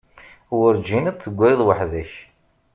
Werǧin ad d-tegriḍ weḥd-k.